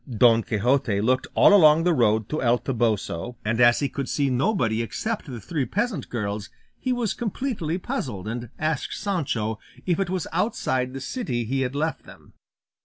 Don Quixote looked all along the road to El Toboso, and as he could see nobody except the three peasant girls, he was completely puzzled, and asked Sancho if it was outside the city he had left them.